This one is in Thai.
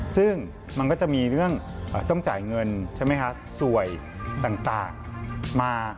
ซึ่งมันก็จะมีเรื่องต้องจ่ายเงินซวยต่างมา